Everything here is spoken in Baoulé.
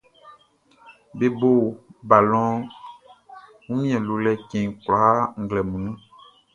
Be bo balɔn Wunmiɛn-lolɛ-cɛn kwlaa nglɛmun.